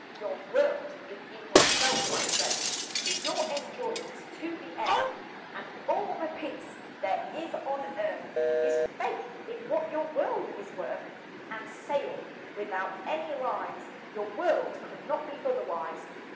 Your world is in yourself, my friend, For your endurance to the end; And all the Peace there is on Earth Is faith in what your world is worth, And saying, without any lies, Your world could not be otherwise."